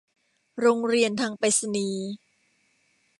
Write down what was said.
โรงเรียนทางไปรษณีย์